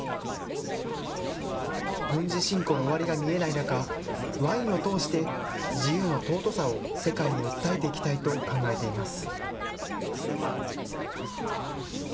軍事侵攻の終わりが見えない中、ワインを通して自由の尊さを世界に訴えていきたいと考えています。